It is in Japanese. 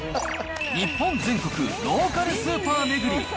日本全国ローカルスーパー巡り！